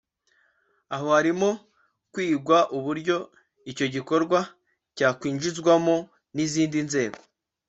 aho harimo kwigwa uburyo icyo gikorwa cyakwinjizwamo n’izindi nzego